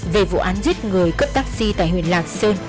về vụ án giết người cấp taxi tại huyện lạc sơn